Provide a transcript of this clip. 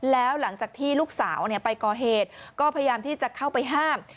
แล้วหลังจากที่ลูกสาวไปก่อเหตุก็พยายามที่จะเข้าไปห้าม